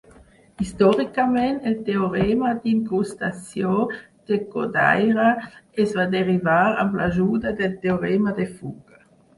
Històricament, el teorema d'incrustació de Kodaira es va derivar amb l'ajuda del teorema de fuga.